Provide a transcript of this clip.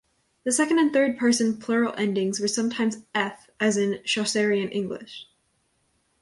The second and third person plural endings were sometimes -eth as in Chaucerian English.